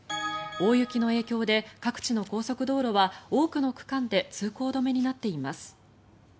大雪の影響で各地の高速道路は多くの区間で通行止めになっています。